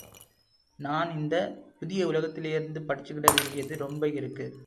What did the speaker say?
நான் இந்தப் புதிய உலகத்திலேருந்து படிச்சுக்கிட வேண்டியது ரொம்ப இருக்கு.